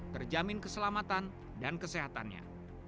terjamin keselamatan dan kesehatannya